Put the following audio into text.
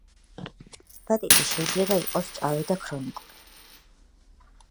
ჰეპატიტი შეიძლება იყოს მწვავე და ქრონიკული.